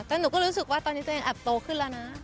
แต่หนูก็รู้สึกว่าตอนนี้ตัวเองแอบโตขึ้นแล้วนะ